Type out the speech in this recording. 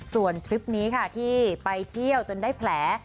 ส่วนทริปนี้ค่ะที่ไปเที่ยวจนได้แผล